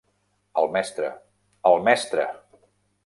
El Mestre, el Mestre!